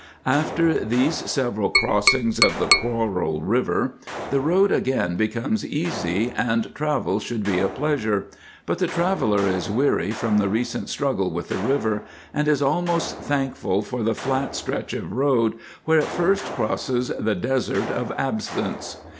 After these several crossings of the Quarrel River the road again becomes easy and travel should be a pleasure, but the traveller is weary from the recent struggle with the river, and is almost thankful for the flat stretch of road where it first crosses the Desert of Absence.